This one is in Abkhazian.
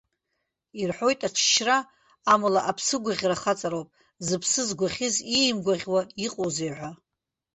Ирҳәоит аҽшьра, амала аԥсыгәаӷьра хаҵароуп, зыԥсы згәаӷьыз иимгәаӷьуа иҟоузеи ҳәа.